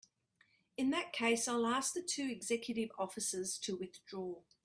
In that case I'll ask the two executive officers to withdraw.